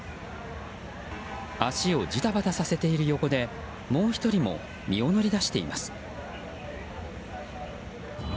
足をじたばたさせている横でもう１人も身を乗り出しています。